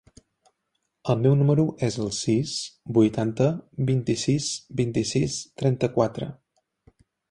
El meu número es el sis, vuitanta, vint-i-sis, vint-i-sis, trenta-quatre.